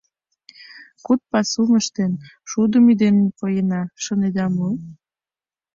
Куд пасум ыштен, шудым ӱден поена, шонеда мо?